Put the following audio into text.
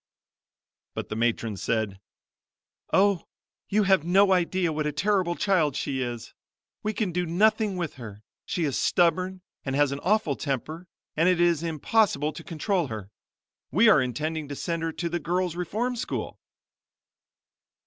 But the matron said "Oh, you have no idea what a terrible child she is! We can do nothing with her, she is stubborn and has an awful temper and it is impossible to control her. We are intending to send her to the Girl's Reform School."